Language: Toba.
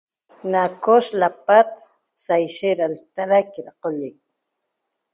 Na cos lapat saishet da lta'araic da qollec